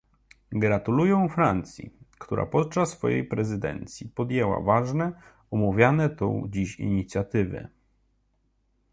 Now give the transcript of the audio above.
Gratuluję Francji, która podczas swojej prezydencji podjęła ważne, omawiane tu dziś inicjatywy